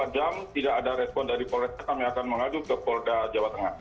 dua jam tidak ada respon dari polresta kami akan mengadu ke polda jawa tengah